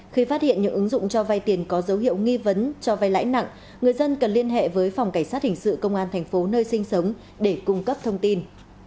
khi phát hiện những ứng dụng cho vay tiền có dấu hiệu nghi vấn cho vai lãi nặng người dân cần liên hệ với phòng cảnh sát hình sự công an thành phố nơi sinh sống để cung cấp thông tin